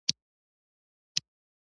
هر ډول متلونه يې په ياد وو.